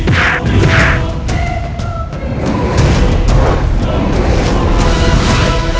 tapi akulah yang ada urusan denganku